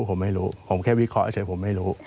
ผมไม่รู้ผมแค่วิเคราะห์เฉยผมไม่รู้